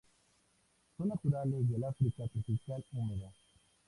Son naturales del África tropical húmeda.